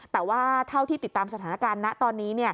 แต่ว่าเท่าที่ติดตามสถานการณ์นะตอนนี้